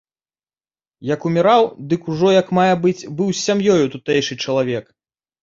Як уміраў, дык ужо як мае быць быў з сям'ёю тутэйшы чалавек.